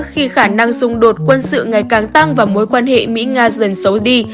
khi khả năng xung đột quân sự ngày càng tăng và mối quan hệ mỹ nga dần xấu đi